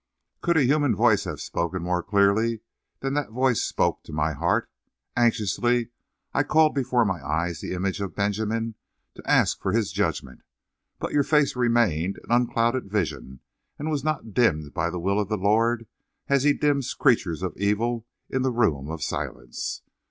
"Could a human voice have spoken more clearly than that voice spoke to my heart? Anxiously I called before my eyes the image of Benjamin to ask for His judgment, but your face remained an unclouded vision and was not dimmed by the will of the Lord as He dims creatures of evil in the Room of Silence.